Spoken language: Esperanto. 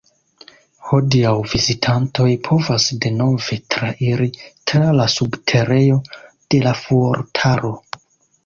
Hodiaŭ vizitantoj povas denove trairi tra la subterejo de la fuortaro.